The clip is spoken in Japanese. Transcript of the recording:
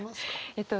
えっと